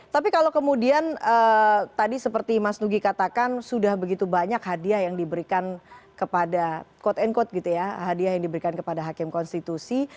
tapi kalau kemudian tadi seperti mas nugi katakan sudah begitu banyak hadiah yang diberikan kepada quote unquote gitu ya hadiah yang diberikan kepada hakim konstitusi